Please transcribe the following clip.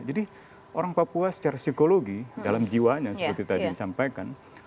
jadi orang papua secara psikologi dalam jiwanya seperti tadi disampaikan